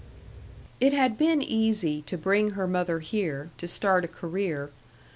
It had been easy to bring her mother here, to start a career.